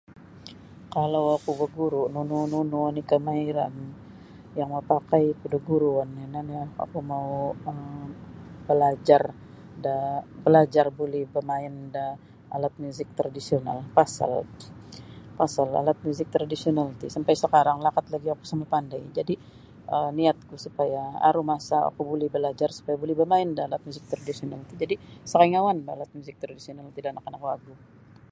Kalau oku baguru nunu-nunu oni kamahiran yang mapakai ku da guruon ino nio oku mau um balajar da balajar buli bamain da alat muzik tradisional pasal pasal alat muzik tradisional ti sampai sakarang lakat lagi oku isa mapandai jadi um niat ku supaya aru masa ku buli balajar supaya buli bamain da tradisional ti jadi isa kaingawan bah alat-alat muzik tradisional ti da anak-anak wagu.